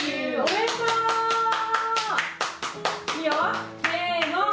いいよせの！